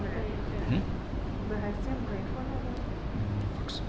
berhasil payphone apa